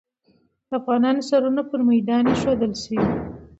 د افغانانو سرونه پر میدان ایښودل سوي.